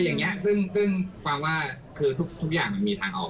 อะไรอย่างนี้ว่าคือทุกอย่างมันมีทางออก